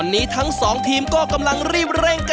วันนี้ทั้งสองทีมก็กำลังรีบเร่งกัน